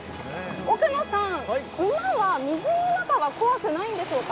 奥野さん、馬は水の中は怖くないんでしょうか。